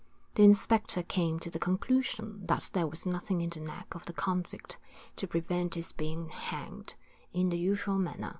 The inspector came to the conclusion that there was nothing in the neck of the convict to prevent his being hanged in the usual manner.